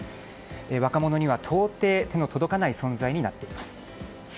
若者には到底手の届かない存在になっています。